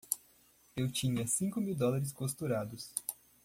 Eu tinha cinco mil dólares costurados!